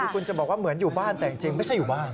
คุณจะบอกว่าเหมือนอยู่บ้านแต่จริงไม่ใช่อยู่บ้าน